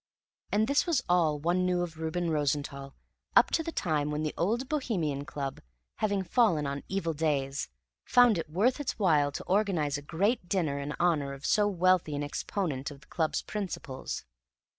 And this was all one knew of Reuben Rosenthall up to the time when the Old Bohemian Club, having fallen on evil days, found it worth its while to organize a great dinner in honor of so wealthy an exponent of the club's principles.